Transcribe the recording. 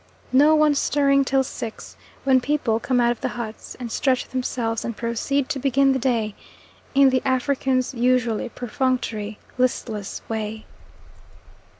No one stirring till six, when people come out of the huts, and stretch themselves and proceed to begin the day, in the African's usual perfunctory, listless way.